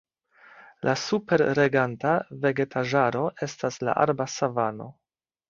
La superreganta vegetaĵaro estas la arba savano.